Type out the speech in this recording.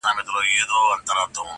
o د غلا خبري پټي ساتي.